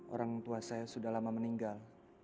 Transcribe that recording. orang tua saya sudah lama meninggal